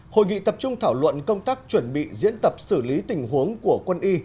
hội nghị tập trung thảo luận công tác chuẩn bị diễn tập xử lý tình huống của quân y